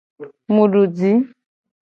Mu du ji.